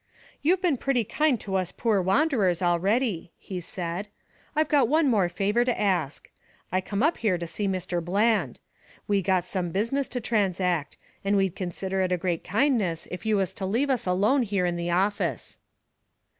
"You've been pretty kind to us poor wanderers already," he said. "I got one more favor to ask. I come up here to see Mr. Bland. We got some business to transact, and we'd consider it a great kindness if you was to leave us alone here in the office."